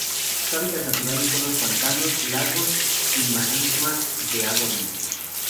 Sus hábitats naturales son los pantanos, lagos y marismas de agua dulce.